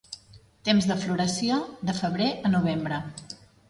Temps de floració: de febrer a novembre.